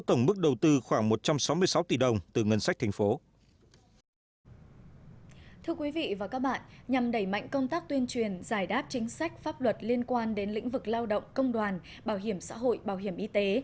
thưa quý vị và các bạn nhằm đẩy mạnh công tác tuyên truyền giải đáp chính sách pháp luật liên quan đến lĩnh vực lao động công đoàn bảo hiểm xã hội bảo hiểm y tế